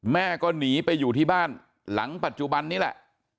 แม่ก็หนีไปอยู่ที่บ้านหลังปัจจุบันนี้แหละ